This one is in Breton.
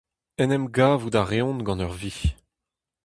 En em gavout a reont gant ur vi.